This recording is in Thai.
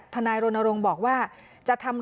ถ้าว่าเรา